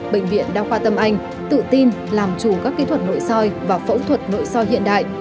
bệnh viện đa khoa tâm anh tự tin làm chủ các kỹ thuật nội soi và phẫu thuật nội soi hiện đại